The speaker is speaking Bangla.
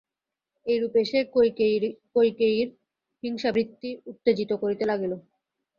এইরূপে সে কৈকেয়ীর হিংসাবৃত্তি উত্তেজিত করিতে লাগিল।